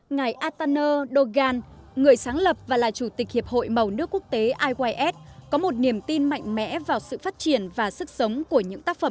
ngài atana đã đặt một bức tranh cho các họa sĩ việt nam và các họa sĩ trên thế giới